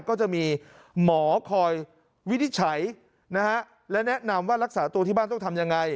ก็จะมีหมอคอยวินิจฉัยนะฮะและแนะนำว่ารักษาตัวที่บ้านต้องทำยังไง